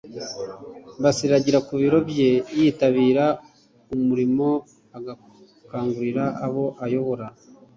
basiragira ku biro bye. yitabira umurimo agakangurira abo ayobora